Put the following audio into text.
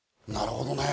なるほどね。